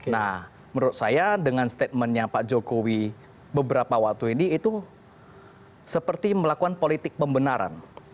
nah menurut saya dengan statementnya pak jokowi beberapa waktu ini itu seperti melakukan politik pembenaran